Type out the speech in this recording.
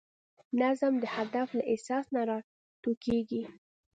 نظم د هدف له احساس نه راټوکېږي.